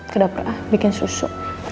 kedap kedap bikin susu